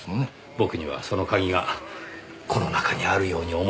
僕にはその鍵がこの中にあるように思えてなりません。